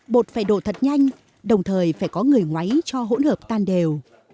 bột phải đổ thật nhanh đồng thời phải có người máy cho hỗn hợp tan đều